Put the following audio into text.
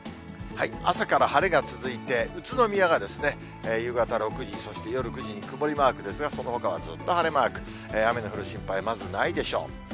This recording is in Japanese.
朝から晴れが続いて、宇都宮がですね、夕方６時、そして夜９時に曇りマークですが、そのほかはずっと晴れマーク、雨の降る心配、まずないでしょう。